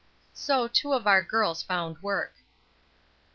So two of our girls found work.